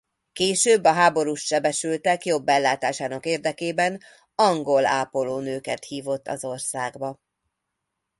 Később a háborús sebesültek jobb ellátásának érdekében angol ápolónőket hívott az országba.